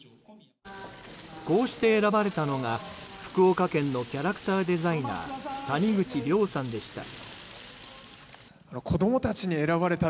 こうして選ばれたのが福岡県のキャラクターデザイナー谷口亮さんでした。